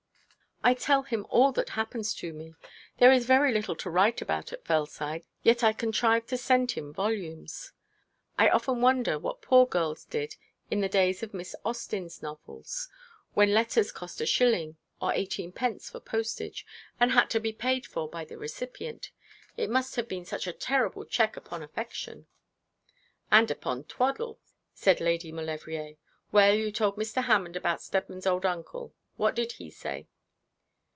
'I tell him all that happens to me. There is very little to write about at Fellside; yet I contrive to send him volumes. I often wonder what poor girls did in the days of Miss Austen's novels, when letters cost a shilling or eighteen pence for postage, and had to be paid for by the recipient. It must have been such a terrible check upon affection.' 'And upon twaddle,' said Lady Maulevrier. 'Well you told Mr. Hammond about Steadman's old uncle. What did he say?'